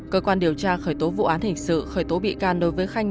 cơ quan điều tra khởi tố vụ án hình sự khởi tố bị can đối với khanh